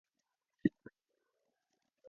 黃磚鼠